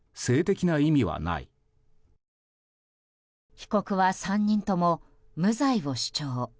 被告は、３人とも無罪を主張。